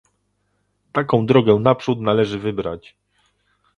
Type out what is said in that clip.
Taką drogę naprzód należy wybrać